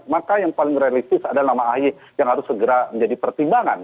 maka yang paling realistis adalah nama ahy yang harus segera menjadi pertimbangan